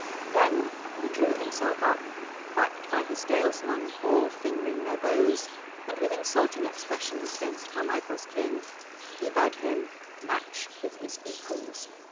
Then he drew himself up, backed by his Dalesmen, all fingering their bows, and with insulting expressions against Carmichael's kin he bade him "match with his equals."